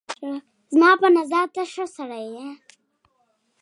زما په نظر ته ښه سړی یې